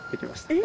え？